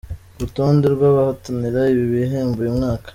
Urutonde rw’abahatanira ibi bihembo uyu mwaka:.